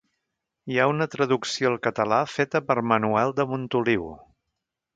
Hi ha una traducció al català feta per Manuel de Montoliu.